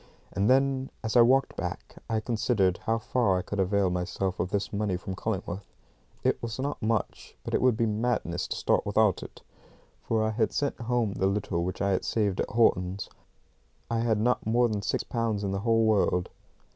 And then as I walked back I considered how far I could avail myself of this money from Cullingworth. It was not much, but it would be madness to start without it, for I had sent home the little which I had saved at Horton's. I had not more than six pounds in the whole world.